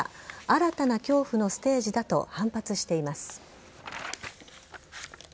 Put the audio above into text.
新たな恐怖のステージだと反発しています。